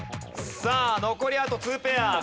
さあ残りあと２ペア。